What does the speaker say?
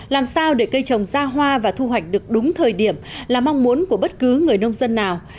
làm sao để cây trồng ra hoa và thu hoạch được đúng thời điểm là mong muốn của bất cứ người nông dân nào